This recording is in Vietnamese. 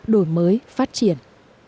đổi mới phát triển